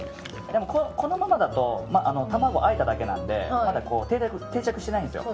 でもこのままだと卵をあえただけなのでまだ定着してないんですよ。